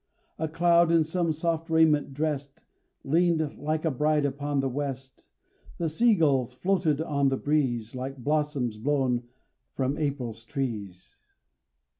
A cloud, in some soft raiment dressed, Leaned like a bride upon the west; The sea gulls floated on the breeze Like blossoms blown from April trees.